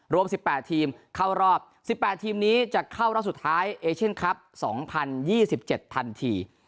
รวม๑๘ทีมเข้ารอบ๑๘ทีมนี้จะเข้ารอบสุดท้ายเอเชียนคลับ๒๐๒๗ทันที